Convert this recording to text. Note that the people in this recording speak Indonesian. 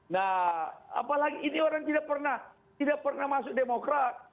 nah apalagi ini orang tidak pernah tidak pernah masuk demokrat